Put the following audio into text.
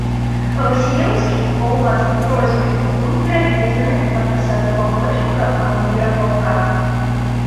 Васілеўскі па ўласнай просьбе быў пераведзены на пасаду памочніка камандзіра палка.